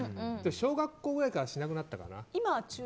でも小学校ぐらいからしなくなったかな。